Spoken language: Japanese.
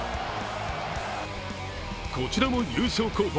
こちらも優勝候補